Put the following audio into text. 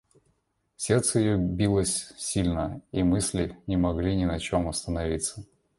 Сердце ее билось сильно, и мысли не могли ни на чем остановиться.